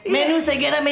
menu saya gerak menu